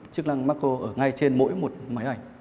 chức năng marco ở ngay trên mỗi một máy ảnh